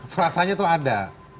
frasanya itu ada